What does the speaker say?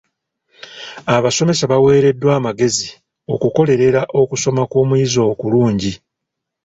Abasomesa baweereddwa amagezi okukolerera okusoma kw'omuyizi okulungi.